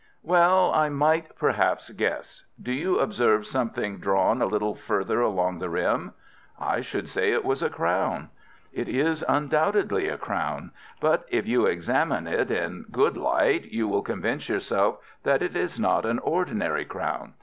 "Well, I might, perhaps, guess. Do you observe something drawn a little further along the rim?" "I should say it was a crown." "It is undoubtedly a crown; but if you examine it in a good light, you will convince yourself that it is not an ordinary crown.